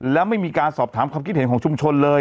แล้วไม่มีการสอบถามความคิดเห็นของชุมชนเลย